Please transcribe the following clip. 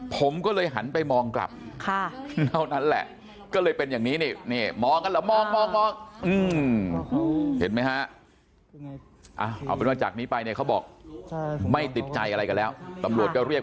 ผมก็เลยหันไปมองกลับเท่านั้นแหละก็เลยเป็นอย่างนี้เนี่ย